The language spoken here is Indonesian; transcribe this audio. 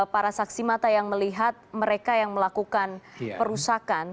para saksi mata yang melihat mereka yang melakukan perusakan